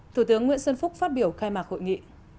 thủ tướng nguyễn xuân phúc phát biểu khai mạc hội nghị